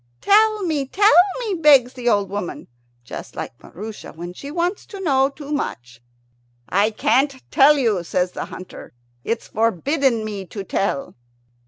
"Tell me, tell me," begs the old woman, just like Maroosia when she wants to know too much. "I can't tell you," says the hunter; "it's forbidden me to tell."